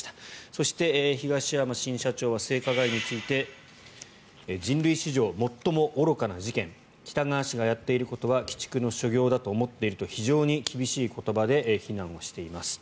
そして、東山新社長は性加害について人類史上最も愚かな事件喜多川氏がやっていることは鬼畜の所業だと思っていると非常に厳しい言葉で非難しています。